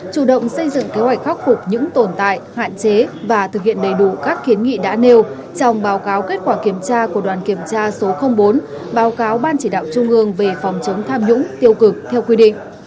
chủ động xây dựng kế hoạch khắc phục những tồn tại hạn chế và thực hiện đầy đủ các kiến nghị đã nêu trong báo cáo kết quả kiểm tra của đoàn kiểm tra số bốn báo cáo ban chỉ đạo trung ương về phòng chống tham nhũng tiêu cực theo quy định